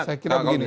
saya kira begini